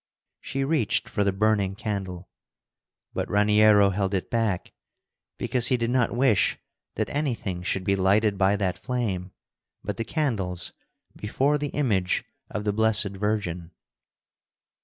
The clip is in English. She reached for the burning candle, but Raniero held it back because he did not wish that anything should be lighted by that flame but the candles before the image of the Blessed Virgin.